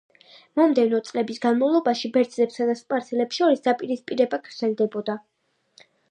მომდევნო წლების განმავლობაში ბერძნებსა და სპარსელებს შორის დაპირისპირება გრძელდებოდა.